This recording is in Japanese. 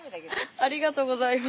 ありがとうございます。